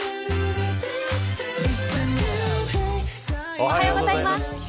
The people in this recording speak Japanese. おはようございます。